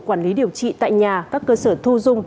quản lý điều trị tại nhà các cơ sở thu dung